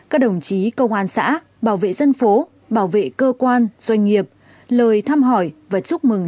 các đồng chí công an xã bảo vệ dân phố bảo vệ cơ quan doanh nghiệp lời thăm hỏi và chúc mừng